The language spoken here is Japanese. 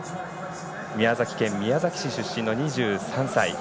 宮崎県宮崎市出身の２３歳。